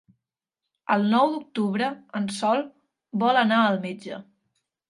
El nou d'octubre en Sol vol anar al metge.